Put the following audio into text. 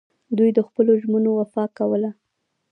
دوی د خپلو ژمنو وفا کوله